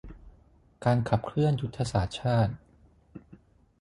การขับเคลื่อนยุทธศาสตร์ชาติ